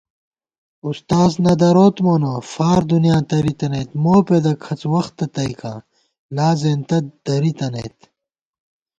اُستاذ نہ دروت مونہ فار دُنیاں تَریتَنَیت، مو پېدہ کھَڅ وختہ تَئیکاں لا زېنتہ دریتنَئیت